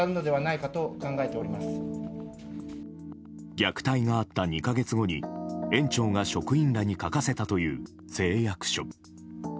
虐待があった２か月後に園長が職員らに書かせたという誓約書。